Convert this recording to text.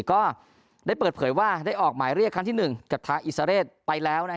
ก็ได้เปิดเผยว่าได้ออกหมายเรียกครั้งที่๑กับทางอิสราเรศไปแล้ว